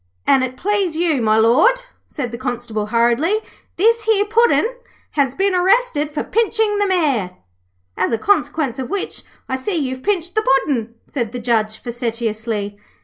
'An' it please you, My Lord,' said the Constable hurriedly, 'this here Puddin' has been arrested for pinching the Mayor.' 'As a consequence of which, I see you've pinched the Puddin',' said the Judge facetiously.